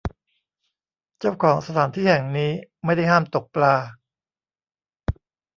เจ้าของสถานที่แห่งนี้ไม่ได้ห้ามตกปลา